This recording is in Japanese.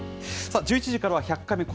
１１時からは、１００カメ。